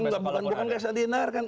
nggak bukan nggak bisa dihindarkan